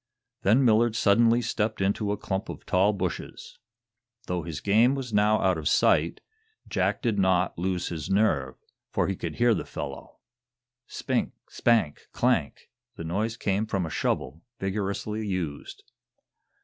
Then Millard suddenly stepped into a clump of tall bushes. Though his game was now out of sight, Jack did not lose his nerve, for he could hear the fellow. Spink! spank! clank! The noise came from a shovel, vigorously used.